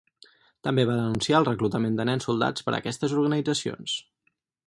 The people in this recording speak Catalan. També va denunciar el reclutament de nens soldats per aquestes organitzacions.